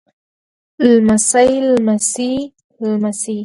لمسی لمسي لمسې